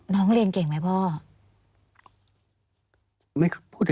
น้องเรียนเก่งไหมพ่อ